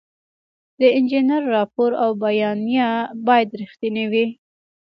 د انجینر راپور او بیانیه باید رښتینې وي.